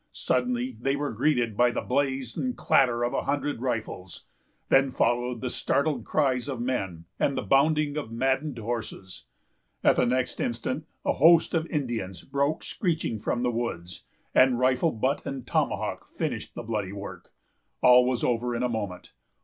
Suddenly they were greeted by the blaze and clatter of a hundred rifles. Then followed the startled cries of men, and the bounding of maddened horses. At the next instant, a host of Indians broke screeching from the woods, and rifle butt and tomahawk finished the bloody work. All was over in a moment.